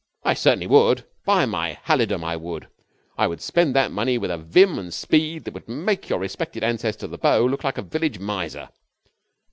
'I certainly would. By my halidom, I would! I would spend that money with a vim and speed that would make your respected ancestor, the Beau, look like a village miser.'